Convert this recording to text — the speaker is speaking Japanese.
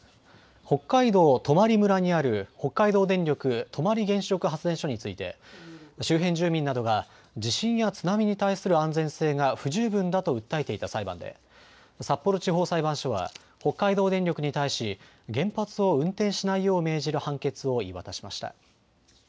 北海道泊村にある北海道電力泊原子力発電所について周辺住民などが地震や津波に対する安全性が不十分だと訴えていた裁判で札幌地方裁判所は北海道電力に対し原発を運転しないよう命じる判決を言い渡しました。